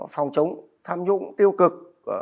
phòng chống tham nhũng tiêu cực